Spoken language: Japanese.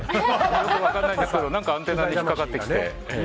よく分からないんですけどアンテナに引っかかってきて。